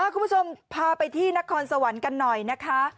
คุณผู้ชมพาไปที่นครสวรรค์กันหน่อยนะคะ